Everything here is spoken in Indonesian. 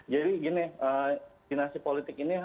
jadi gini dinasti politik ini